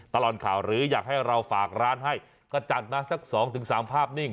ตลอดข่าวหรืออยากให้เราฝากร้านให้ก็จัดมาสัก๒๓ภาพนิ่ง